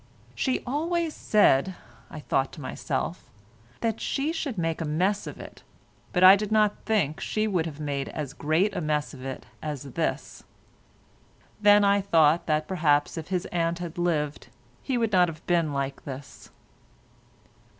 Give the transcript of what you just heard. "She always said," I thought to myself, "that she should make a mess of it, but I did not think she would have made as great a mess of it as this." Then I thought that perhaps if his aunt had lived he would not have been like this.